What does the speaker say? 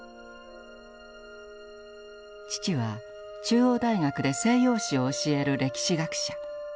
父は中央大学で西洋史を教える歴史学者。